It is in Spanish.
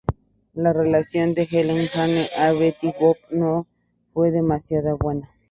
La relación de Helen Kane con Betty Boop no fue demasiado buena.